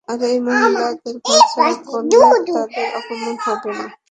আর এই মহিলাদের ঘরছাড়া করলে, তাদের অপমান হবে না?